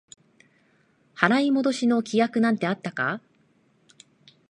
払い戻しの規約なんてあったか？